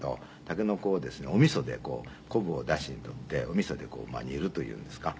竹の子をですねおみそでこう昆布をダシに取っておみそでこう煮るというんですか。